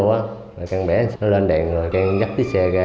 rồi càng bẻ nó lên đèn rồi càng nhấp cái xe ra